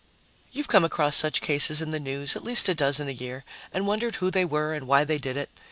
You've come across such cases in the news, at least a dozen a year, and wondered who they were and why they did it.